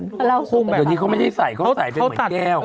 เดี๋ยวนี้เขาไม่ได้ใส่เขาใส่เป็นเหมือนแก้ว